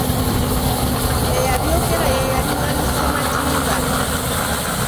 Eyabyogera ye yali mwani Ssematimba.